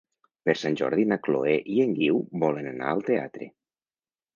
Per Sant Jordi na Chloé i en Guiu volen anar al teatre.